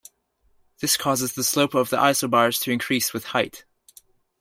This causes the slope of the isobars to increase with height.